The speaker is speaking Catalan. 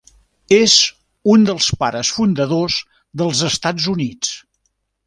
És un dels Pares fundadors dels Estats Units.